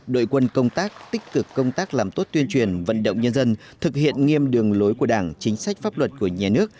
đội quân công tác tích cực công tác làm tốt tuyên truyền vận động nhân dân thực hiện nghiêm đường lối của đảng chính sách pháp luật của nhà nước